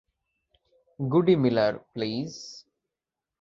গুডি Miller, please!